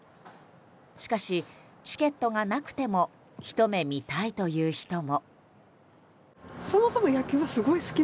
しかし、チケットがなくてもひと目見たいという人も。